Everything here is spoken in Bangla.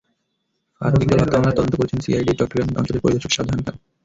ফারুক ইকবাল হত্যা মামলার তদন্ত করছেন সিআইডির চট্টগ্রাম অঞ্চলের পরিদর্শক শাহজাহান খান।